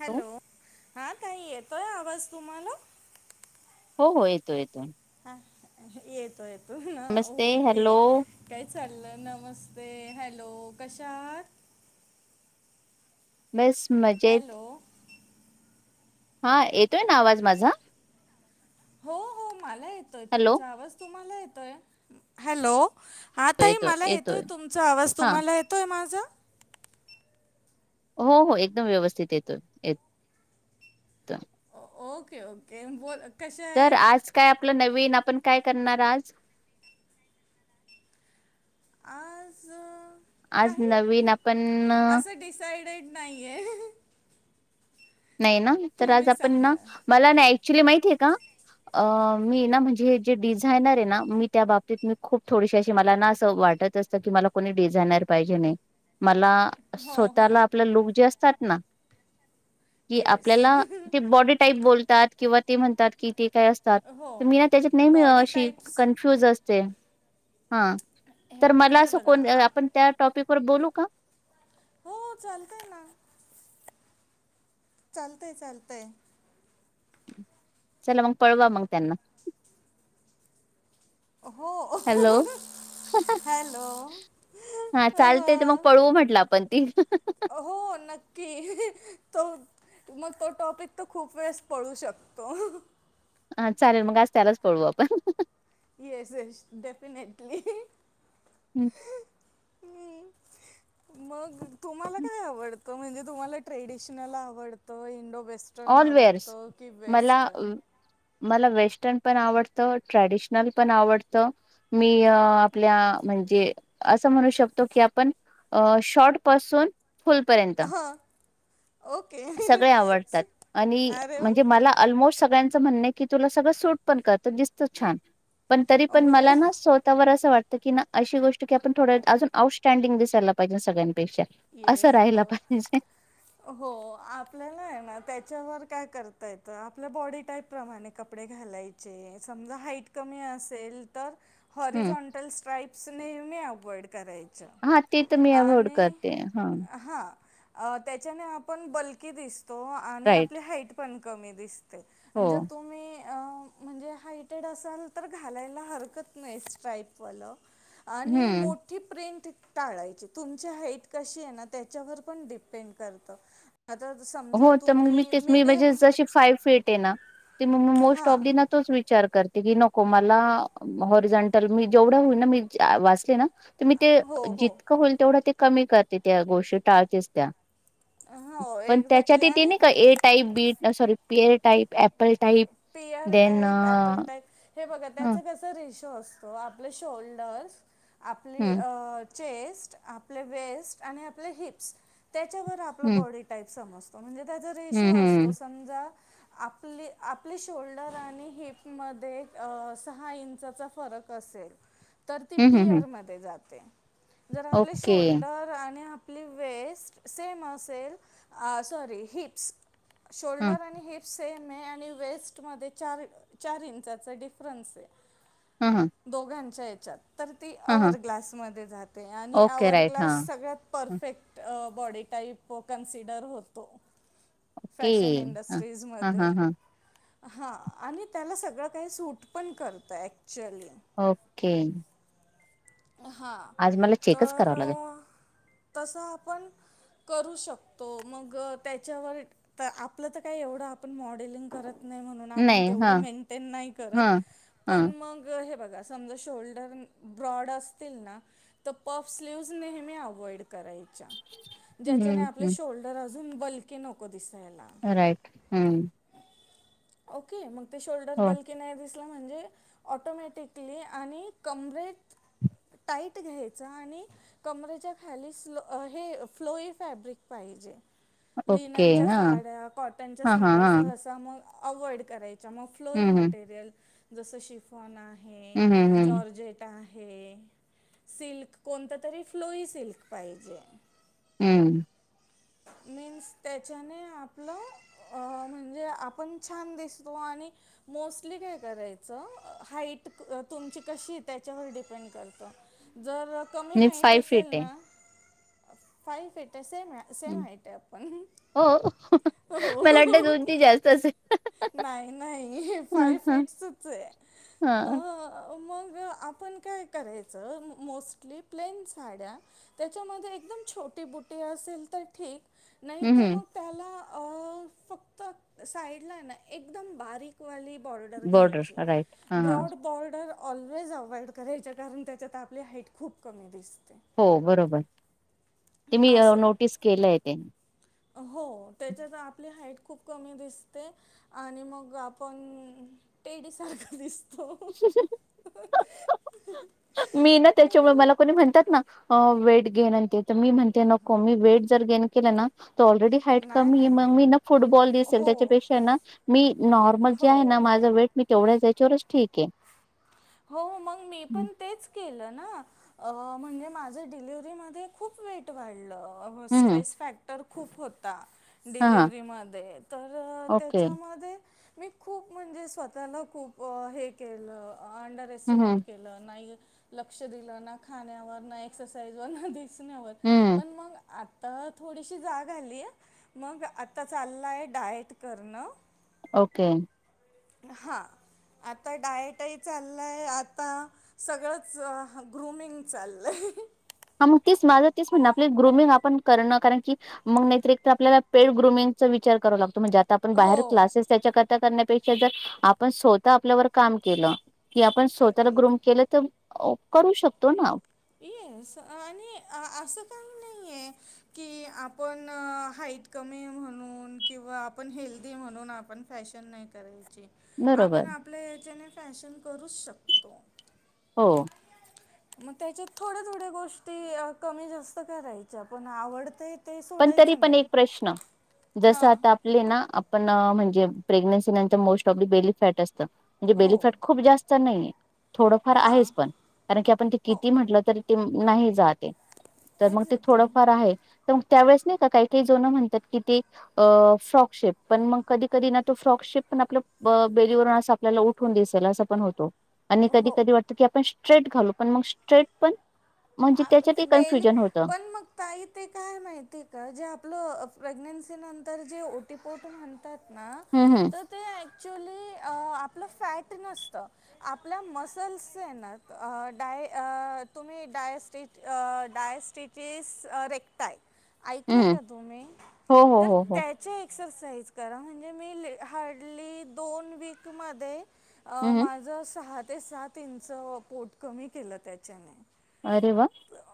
Hello हा ताई येतोय आवाज तुम्हाला? हो हो येतोय येतोय ह येतो येतो नमस्ते ओके हॅलो काय चालं नमस्ते हॅलो कशा आहात बेस्ट मजेत हॅलो हा येतोय ना आवाज माझा हो हो मला येतोय हॅलो तुमचा आवाज तुम्हाला येतोय हॅलो हा ताई मला येतोय तुमचा आवाज हा तुम्हाला येतोय माझा हो हो एकदम व्यवस्थित येतोय येत ओ- ओके ओके बोल कशा तर आहे आज काय आपण नवीन आपण काय करणार आज? आज? आज काही नवीन आपण असं डिसायडेड नाही आहे नाही ना तर आज तुम्ही आपण ना सांगा मला ना ऍक्च्युली माहितीय का? अ मी ना म्हणजे हे जे डिझायनर आहे ना मी त्या बाबतीत मी खूप थोडीशी अशी मला ना असं वाटत अस की मला कोणी डिझायनर पाहिजे नाही मला हो हो स्वतःला आपले लुक जे असतात ना कि येस आपल्याला ते बॉडी टाईप बोलतात किंवा ते म्हणतात कि ते काय हो असतात मी ना त्याच्यात नेहमी बॉडी अशी टाईप्स कन फ्युज असते हा हे तर मला हे असं बघा कोण आ- त्या टॉपिक वर बोलू का? हो चालतय ना चालतय चालतय चला मग पळवा मग त्यांना हो हॅलो हॅलो हा चालते तर मग पळवू म्हटलं आपण ती हो नक्की तो त मग तो टॉपिक तर खूप वेळेस पळू शकतो हा चालेल मग आज त्यालाच पळवू आपण येस येस डेफिनेटली हम् [inaudible] मग तुम्हाला काय आवडतं म्हणजे तुम्हाला ट्रेडिशनल आवडतं Indo western all wears आवडतं की मला वेस्टर्न मला वेस्टर्न पण आवडतं ट्रॅडिशनल पण आवडतं मी आपल्या म्हणजे असं म्हणू शकतो की आपण शॉर्ट पासून फु..... लपर्यंत हां ओके सगळे आवडतात. आणि अरे वा म्हणजे मला ऑलमोस्ट सगळ्यांचं म्हण की तुला सगळं सूट पण करत दिसत छान. पण तरी पण हो मला ना स्वतःवर असं वाटतं की ना. अशी गोष्ट की आपण थोड अजूनउटस््टँडिंग दिसायलाहिजे सगळ्यांपेशा. येस पब हो आपल्याला आहे ना त्याच्यावर काय करता येत आपल्या बॉडी टाईप प्रमाणे कपडे घालायचे समजा हाईट कमी असेल तर हम्म. हॉरिझॉन्टल स्ट्राईप्स नेहमी अवॉइड करायचे हा ते तर मी अव्होइड करते हा हां त्याच्याने आपण बल्की दिसतो आणि राईट. आपली हाईट पण कमी दिसते हो. र तुम्ही अ म्हणजे हायटेड असाल तर घालायला हरकत नाही स्ट्राईपवालं. आणि हम्म. मोठी प्रिंट टाळायची तुमच्या ह. कशी आहे ना त्याच्यावर पण डिपेंड करत. आता त स हो तर मग मी मी म्हणजे जशी फाईव फिट आहे ना मग म मोस्ट हां ऑफ द ना. तोच विचार करते की नको मला हॉरिझंटल मी जेवढं होईन ना मी वाचले ना. तर मी ते हो हो जितकं होईल तेवढं ते कमी करते त्या गोष्टी टाळतेच त्या. ह पण त्याच्यात ते नाही का A type B sorry pear type प. Pear type apple type. हे बघा हम्म त्याचं कसं रेशो असतो आपलं शोल्डर्स आपली. हम्म चेस्ट आपले वेस्ट आणि आपले हिप्स त्याच्यावर आपला हम्म बॉडी टाईप समजतो. त म्हणजे त्याचा रेशो हम्म असतो समजा आपली. आपले शोल्डर आणि हिपमध्ये सहा इंचाचा फरक असेल. ह तर ती पिअर म जाते जर आपले ओके शोल्डर आणि. आपली वेस्ट सेम असेल सॉरी हिप्स ह शोल्डर आणि हिप्. सेम आहे आणि वेस्टमध्ये चार चार इंचाचा डिफरन्स आहे. हम हम दोघांच्या याच्यात तर ती अवर ग्लासमध्ये जाते आणि ओके अवर राईट हा ग्लास सगळ्यात. परफेक्ट बॉडी टाईप कन्सिडर होतो. ओके फॅशन ह हा इंडस्ट्री्रीजमध्ये. हा हा हां आणि त्याला सगळं काही सूट पण करतं ॲक्च्युली ओके हा आज मला चेकच तर करावं लागेल तसं आपण करू शकतो मग त्याच्यावर. तर आपलं तर काय एवढं आपण मॉडेलिंग करत. नाही म्हणून आपण नाही तेवढी हां मेंटेन नाही करत हां हां पण मग हे बघा. समजा शोल्डर ब्रॉड असतील ना. तर पप स्लीव्ह्ज नेहमी अव्हइड करायच्या. ज्याच्याने हम्म आपले हम्म शोल्डर अजून बलकी नको दिसायला. राईट हम्म ओके मग ते शोल्डर हो बल्क. की नाही दिसलं म्हणजे ऑटोमॅटिकली आणि कमरेत. टाईट घ्यायचां आणि. कमरेच्या खालीलो हे फ्लोई फॅब्रिक पाहिजे. ओके च्या हां साड्या कॉटनच्या हां हां साड्या हां सहसा मग अव्हइड करायचा च्या मग फ्लोई हम्म मटेरियल जसं शिफॉन आहे हम्म हम्म हम्म हम्म जॉर्जेट. आहे सिल्क कोणत तरी फ्लोई सिल्क पाहिजे हम्म मीन्स त्याच्याने आपलं अ म्हणजे आपण छान दिसतो आणि मोस्टली काय करायचं हाईट तुमची कशी त्याच्यावर डिपेंड करतं जर कमी मी हाईट फाय असेल फीट आहे ना फाई फिटे मि. असे हम्म माहित आपण हो मला वाटतं हो दोन ती जास्त असेल नाही नाही फाय फिट स हा मग आपण काय करायचं मोस्टली प्लेन साड्या त्याच्यामध्ये एकदम छोटी बुटी असेल तर ठीक नाही हम्म तर मग हम्म त्याला फक्त साईडला आहे ना एकदम बारीक बॉर्डर घ्यायची राईट हां हां ब्राॅड बॉर्डर ऑलवेज अवॉइड करायच्या कारण त्याच्यात आपली हाईट खूप कमी दिसते हो बरोबर ते मी असं नोटीस केलंय ते हो त्याच्यात आपली हाईट खूप कमी दिसते आणि मग आपण तेडीसारखं दिस मी ना त्याच्यामुळे मला कोणी म्हणतात ना वेट गेन आणते तर मी म्हणते नको मी वेट जर गेन केलं ना त ऑलरेडी हाईट नाही, कमी नाही, मग नाही. मी ना फुटबॉल दिसेल हो, त्याच्यापेक्षा ना मी नॉर्मल जे आहे ना हो. माझं वेट मी तेवढ्याच याच्यावरच ठीक आहे. हो मग मी हम्म पण तेच केलं ना म्हणजे माझं डिलिवरीमध्ये खूप वेट वाढलं हम्म. स्ट्रेस फॅक्टर खूप होता हा हा. डिलिव्हरी मध्ये तर ओके त्याच्यामध्ये मी खूप म्हणजे स्वतःला खूप हे केलं अंडर हम्म एस्टिमेट केलं नाही लक्ष दिल ना खाण्यावर ना एक्साईज वर ना हम्म पण मग तर थोडीशी जाग आली मग आता चाललाय डाएट करणं ओके हा आता डायटही चाललाय आता सगळंच ग्रुमिंग चाललंय हा मग तीच माझं तेच म्हणण आपली ग्रुमिंग आपण करणं कारण की मग नाहीतर एकतर आपल्याला पेड ग्रुमिंगचा विचार करावा लागतो म्हणजे आपण बाहेर हो क्लासेस त्याच्याकरता करण्यापेक्षा जर आपण स्वतः आपल्यावर काम केलं कि आपण स्वतःला ग्रुम केलं तर करू शकतो ना येस आणि असं काही नाही आहे की आपण हाईट कमी म्हणून किंवा आपण हेल्दी म्हणून आपण फॅशन नाही करायची बरोबर आपण आपल्या हच्याने फॅशन करूच शकतो हो मग त्याच्यात थोड्या थोड्या गोष्टी कमी जास्त करायच्या पण आवडत पण तरी पण एक प्रश्न जस हां आता ले ना आपण म्हणजे प्रेग्नेन्सी नंतर मोस्ट ऑफ बेली फॅट असत म्हणजे हो बेलिफॅट खूप जास्त नाहीये थोडंफार हां आहेच पण कारण की आपण ते हो किती म्हटलं तरी ते नाही जाते तर मग ते एक्झॅक्टली थोडंफार आहे ग त्यावेळेस नाही काही काही जोनं म्हणतात की ते अ फ्रॉकशेप पण मग कधी कधी ना तो फ्रॉकशेप पण आपल्या बेलीवरून अस आपल्याला उठून दिसेल असं पण होतो. आणि कधी हो कधी वाटतं की आपण स्ट्रेट घालू पण मग स्ट्रेट पण म्हणजे आ, ते त्याच्यात बेली कन्फ्युजन होतं. पण मग ताई ते काय माहिती आहे का जे आपलं प्रेग्नेन्सी नंतर जे ओटी पोट म्हणतात ना हम्म हम्म तर ते ऍक्च्युलीअ आपलं फॅट नसतं. आपल्या मसल्स ए ना अ ना डाय आ तुम्ही डायस्टी डयस्टिटीस रेक्टाय ऐकलंय हम्म का तुम्ही हो हो तर हो हो त्या एक्सरसाइज करा म्हणजे मी हार्डली दोन वीकमध्ये हम्म माझं सहा ते सात इंच पोट कमी केलं त्याच्याने अरे वा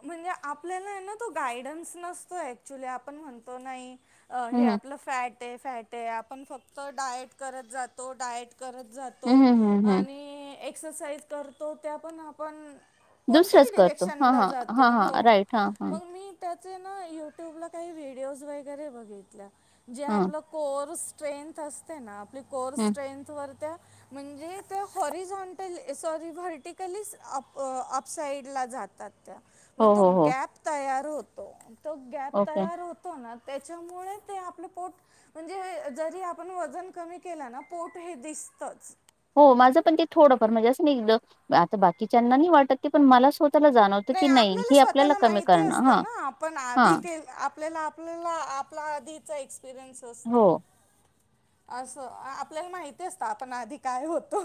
म्हणजे आपल्याला ना तो गायडन्स नसतो ऍक्च्युली आपण म्हणतो नाही. अ हे हम्म आपलं फॅट ए फॅट ए आपण फक्त डायट करत जातो डायट करत जातो. हम्म हम्म तो हम्म हम्म आणि एक्सरसाइज करतो त्या पण आपण दुसरंच कोणत्याही करतो हा डिरेक्शनला हा हा जातो हो हा राईट हा हा मग मी त्याचे ना युट्यूबला काही व्हिडिओज वगैरे बघितल्या जे हा आपलं कोर्स स्ट्रेंथ असते ना आपली कोर्स हम्म स्ट्रेंथवर त्या म्हणजे ते हॉरिझनटली सॉरी व्हर्टिकली अप अपसाइडला जातात. त्यात त्या मग हो तो हो हो गॅप तयार होतो तो गॅप ओके तयार होतो. तो ना त्याच्यामुळे ते आपलं पोट म्हणजे हे जरी आपण वजन कमी केलं ना पोट हे दिसतच हो माझं पण ते थोडंफार म्हणजे असं नाही आता बाकीच्यांना नाही वाटतं ते पण मला जाणवतं नाही की आपल्याला हे स्वतःला कमी माहिती करणं हां असतं ना आपण आधी हां ते आपल्याला आपल्याला आपल्या आधीचा एक्सपिरियन्स हो असतो. असं आपल्याला माहिती असतं आपण आधी काय होतो.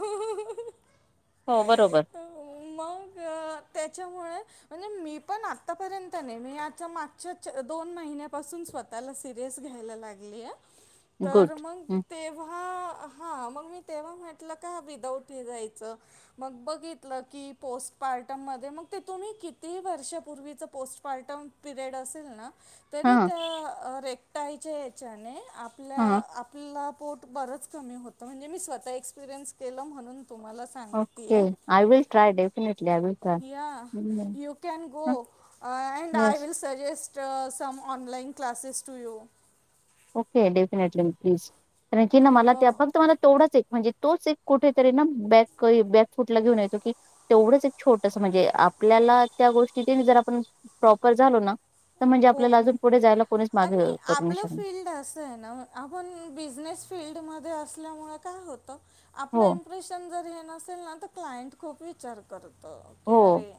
हो बरोबर मग अ त्याच्यामुळे म्हणजे मी पण आतापर्यंत नाही, मी याच्या मागच्या दोन महिन्यापासून स्वत् त्याला सिरियस घ्यायला लागली ए तर गुड मग हं तेव्हा हा मग मी तेव्हा म्हटलं का विदाऊट हे जायचं. मग बघितलं की पोस्ट पार्टम मध्ये मग ते तुम्ही किती वर्षापूर्वीच पोस्ट पार्टम पिरियड असेल ना, तरी हां त्या रेकटायच्या ह्याच्याने आपल्या हां आप आपला पोट बरंच कमी होतं, म्हणजे मी स्वतः एक्सपिरियन्स केलं म्हणून तुम्हाला सां ओके सांगतीय I will try definitely I will try या हं यू कॅन गो हां. Uh and I yes will suggest uh some online classes to you okay definitely please कारण की मला त्या हो फक्त मला तेवढाच एक म्हणजे तोच एक कुठेतरी ना बॅक अ बॅक फुटला घेऊन येतो की. तेवढंच एक छोटस म्हणजे आपल्याला त्या गोष्टी ची ना जरा आपण प्रॉपर झालो ना तर म्हणजे हो आपल्याला अजून पुढे जायला कोणीच मागे करू नाही शकणार. त ए ना आपण बिझनेस फिल्डमध्ये असल्यामुळे काय होतं आपलं हो एम प्रेशन जर हे नसेल ना तर क्लायंट खूप विचार करत की हो अरे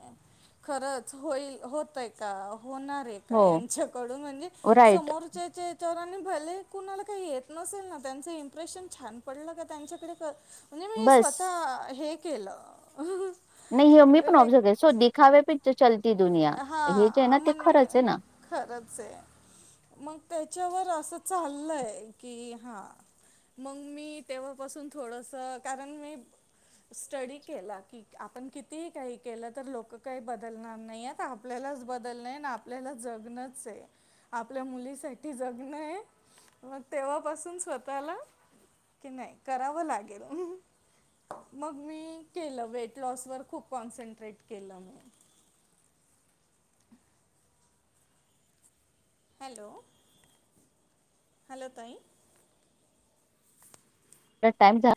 खरंच होईल होतय का अ होणार ये का हो यांच्याकडून म्हणजे राईट समोरच्याचे तर आणि भले कुणाला काही येत नसेल ना त्यांचं इम्प्रेशन छान पडलं का त्यांच्याकडे तर म्हणजे मी बस स्वतः हे केलं. नाही हे मी पण रे ओब्झर्व्ह केलं, सो दिखावे पी चलती दुनिया, हे जे ना हां हे ते मग खरंच आहे ना खरंच ये मग त्याच्यावर असं चाललंय कि अ हा मंग मी तेव्हापासून थोडंसं कारण मी स्टडी केला की आपण कितीही काही केलं तर लोकं काही बदलणार नाही येत. आपल्यालाच बदलणे ना आपल्याला जगणंच आहे. आपल्या मुलीसाठी जगणं ये मग तेव्हापासून स्वतःला कि नाही करावं लागेल. मग मी केलं वेट लॉसवरर खूप कॉन्सन्ट्रेट केलं मी. हॅलो हॅलो ताई. टाइम झा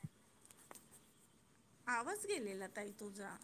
आवाज गेलेला ताई तुझा.